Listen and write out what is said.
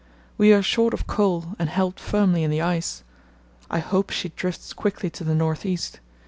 We are short of coal and held firmly in the ice. I hope she drifts quickly to the north east.